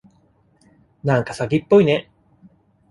なんか詐欺っぽいね。